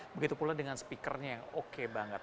begitu pula dengan speakernya yang oke banget